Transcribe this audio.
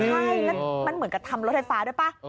ใช่แล้วมันเหมือนกับทำรถไฟฟ้าด้วยป่ะ